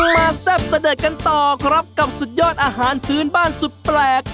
แซ่บเสด็จกันต่อครับกับสุดยอดอาหารพื้นบ้านสุดแปลก